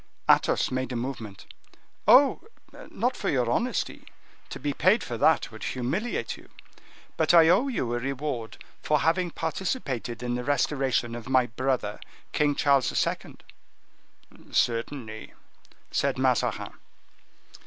Athos made a movement. "Oh, not for your honesty, to be paid for that would humiliate you; but I owe you a reward for having participated in the restoration of my brother, King Charles II." "Certainly," said Mazarin.